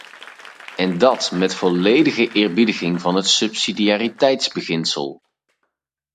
En dat met volledige eerbiediging van het subsidiariteitsbeginsel.